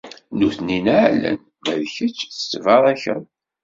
Nutni neɛɛlen, ma d kečč tettbarakeḍ.